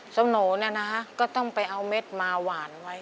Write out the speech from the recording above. สโนเนี่ยนะก็ต้องไปเอาเม็ดมาหวานไว้